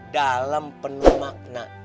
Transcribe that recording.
dalem penuh makna